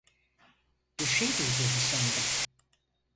Bir şey duyduğumu sandım.